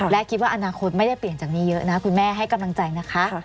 และคิดว่าอนาคตไม่ได้เปลี่ยนจากนี้เยอะนะคุณแม่ให้กำลังใจนะคะ